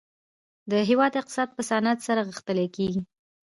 د هیواد اقتصاد په صنعت سره غښتلی کیږي